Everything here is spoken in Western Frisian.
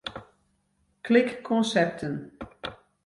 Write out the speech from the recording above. Klik Konsepten.